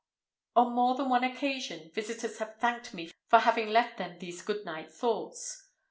On more than one occasion visitors have thanked me for having left them these goodnight thoughts.